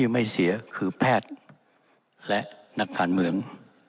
ไม่เสียคือแพทย์และนักการเมือง